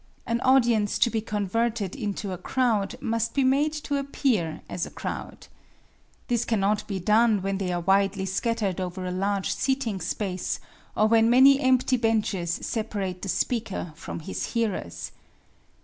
An audience to be converted into a crowd must be made to appear as a crowd. This cannot be done when they are widely scattered over a large seating space or when many empty benches separate the speaker from his hearers.